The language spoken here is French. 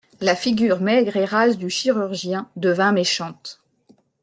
La figure maigre et rase du chirurgien devint méchante.